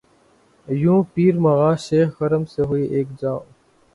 یوں پیر مغاں شیخ حرم سے ہوئے یک جاں